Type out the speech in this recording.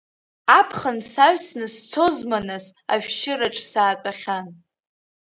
Аԥхын саҩсны сцозма нас, ашәшьыраҿ саатәахьан.